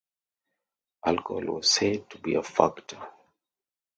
Alcohol was said to be a factor.